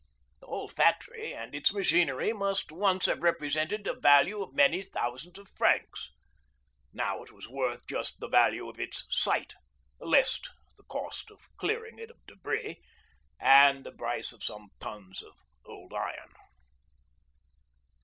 The whole factory and its machinery must once have represented a value of many thousands of francs. Now it was worth just the value of its site less the cost of clearing it of debris and the price of some tons of old iron.